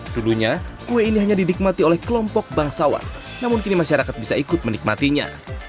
dulunya kue ini hanya didikmati oleh kelompok bangsawan namun kini masyarakat bisa ikut menikmatinya